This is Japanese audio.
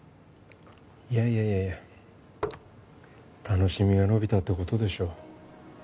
いやいやいやいや楽しみが延びたってことでしょ